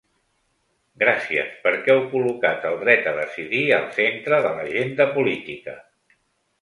Gràcies, perquè heu col·locat el dret a decidir al centre de l’agenda política.